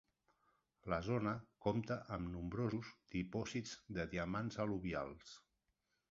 La zona compta amb nombrosos dipòsits de diamants al·luvials.